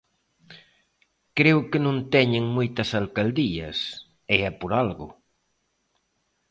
Creo que non teñen moitas alcaldías, e é por algo.